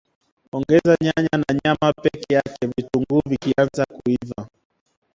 Ongeza nyanya na nyama peke yake vitunguu vikianza kuiva